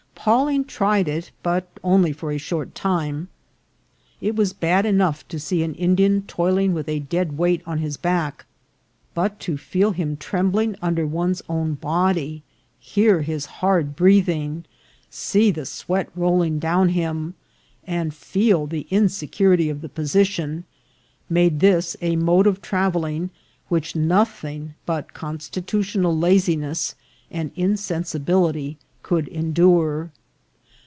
Pawling tried it, but only for a short time. It was bad enough to see an Indian toiling with a dead weight on his back ; but to feel him trembling under one's own body, hear his hard breathing, see the sweat rolling down him, and feel the insecurity of the position, made this a mode of travelling which nothing but constitu tional laziness and insensibility could endure.